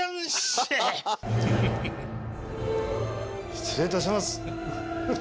失礼いたします。